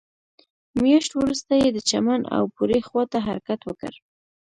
مياشت وروسته يې د چمن او بوري خواته حرکت وکړ.